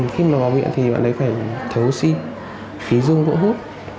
khi mà bỏ miệng thì bạn ấy phải thở oxy khí dung vỗ hút